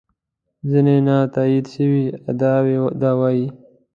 ځینې نا تایید شوې ادعاوې دا وایي.